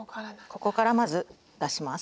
ここからまず出します。